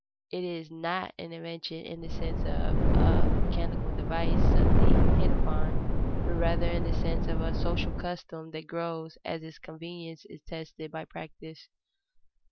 It is not an invention in the sense of a mechanical device suddenly hit upon, but rather in the sense of a social custom that grows as its convenience is tested by practice.